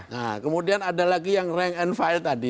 nah kemudian ada lagi yang rank and file tadi